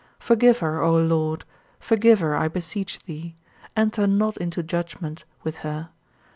Forgive her, O Lord, forgive her, I beseech thee; "enter not into judgment" with her.